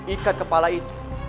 ikat kepala itu